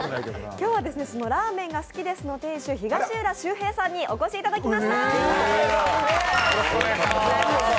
今日はラーメンが好きですの店主、東浦周平さんにお越しいただきました。